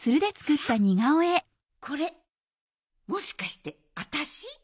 これもしかしてあたし？